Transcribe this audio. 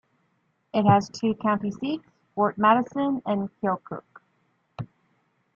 It has two county seats - Fort Madison and Keokuk.